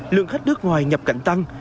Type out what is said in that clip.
lượng khách nước ngoài nhập cảnh tăng